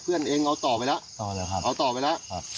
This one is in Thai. เพื่อนเองเอาต่อไปแล้วต่อแล้วครับเอาต่อไปแล้วครับ